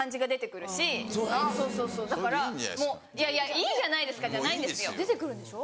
「いいじゃないですか」じゃないんですよ。出てくるんでしょ？